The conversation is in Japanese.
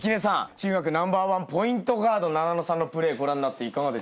中学ナンバーワンポイントガードななのさんのプレーご覧になっていかがですか？